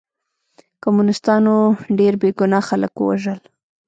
کمونستانو ډېر بې ګناه خلک ووژل